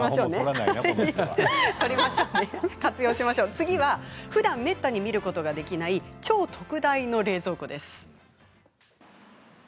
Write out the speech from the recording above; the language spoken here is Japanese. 次はふだんめったに見ることができない超特大の冷蔵庫です。